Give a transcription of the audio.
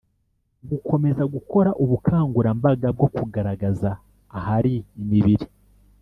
Gukomeza gukora ubukangurambaga bwo kugaragaza ahari imibiri